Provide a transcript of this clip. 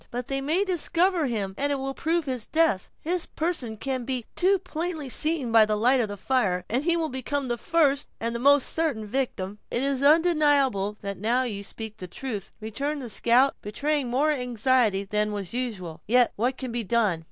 "But they may discover him, and it will prove his death. His person can be too plainly seen by the light of that fire, and he will become the first and most certain victim." "It is undeniable that now you speak the truth," returned the scout, betraying more anxiety than was usual; "yet what can be done?